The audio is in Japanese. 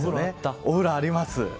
お風呂あります。